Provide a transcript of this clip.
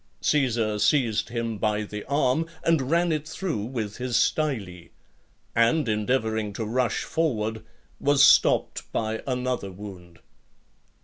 Caesar seized him by the arm, and ran it through with his style ; and endeavouring to rush forward was stopped by another wound.